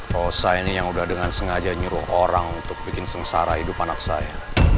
rosa ini yang udah dengan sengaja nyuruh orang untuk bikin sengsara hidup anak saya